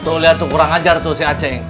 tuh liat tuh kurang ajar tuh si aceh